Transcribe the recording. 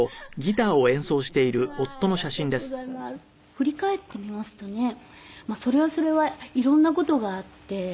振り返ってみますとねそれはそれは色んな事があって。